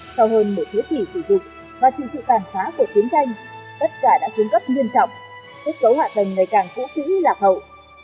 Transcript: sau hơn một thế kỷ sử dụng và chịu sự tàn phá của chiến tranh tất cả đã xuống cấp nghiêm trọng kết cấu hạ tầng ngày càng cũ kỹ lạc hậu